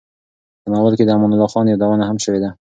په ناول کې د امان الله خان یادونه هم شوې ده.